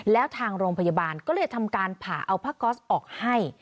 แล้วทางโรงพยาบาลก็เลยทำการผ่าเอาผ้าก๊อสออกให้